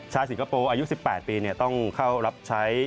ชายสิงคโปร์อายุ๑๘ปีเนี่ยต้องเข้ารับใช้